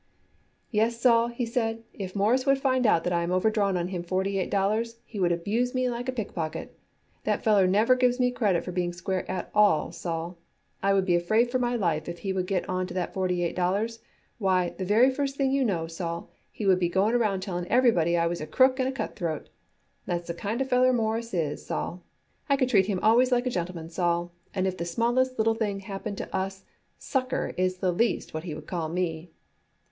"Yes, Sol," he said, "if Mawruss would find it out that I am overdrawn on him forty eight dollars, he would abuse me like a pickpocket. That feller never gives me credit for being square at all, Sol. I would be afraid for my life if he would get on to that forty eight dollars. Why, the very first thing you know, Sol, he would be going around telling everybody I was a crook and a cutthroat. That's the kind of feller Mawruss is, Sol. I could treat him always like a gentleman, Sol, and if the smallest little thing happens to us, 'sucker' is the least what he calls me."